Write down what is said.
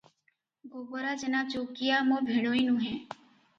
ଗୋବରା ଜେନା ଚୌକିଆ ମୋ ଭିଣୋଇ ନୁହେଁ ।